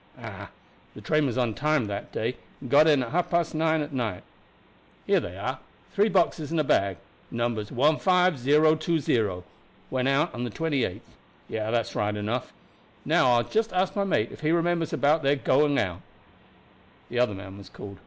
Ah, the train was on time that day, and got in at half past nine at night. Here they are three boxes and a bag, numbers 15020, went out on the 28th. Yes, that's right enough. Now I will just ask my mate if he remembers about their going out." The other man was called.